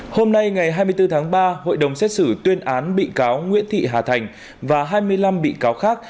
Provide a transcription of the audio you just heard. hôm nay ngày hai mươi bốn tháng ba hội đồng xét xử tuyên án bị cáo nguyễn thị hà thành và hai mươi năm bị cáo khác